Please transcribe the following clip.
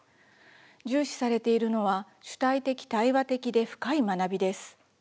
重視されているのは主体的・対話的で深い学びです。